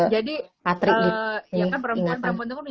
jadi ya kan perempuan perempuan itu